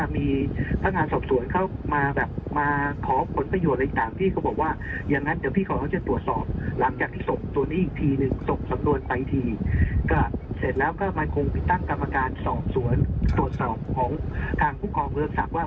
มันคงผิดตั้งกรรมการสอบสวนตรวจสอบของทางผู้กองเวิร์กศัพท์ว่า